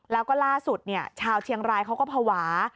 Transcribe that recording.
แล้วก็ล่าสุดชาวเชียงรายเขาก็ภาวะ